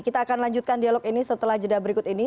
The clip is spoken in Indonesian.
kita akan lanjutkan dialog ini setelah jeda berikut ini